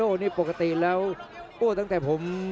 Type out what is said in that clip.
โอ้โหไม่พลาดกับธนาคมโด้แดงเขาสร้างแบบนี้